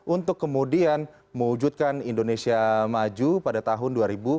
untuk kemudian mewujudkan indonesia maju pada tahun dua ribu dua puluh